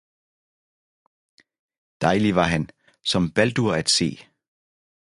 deilig var han, »som Baldur at see!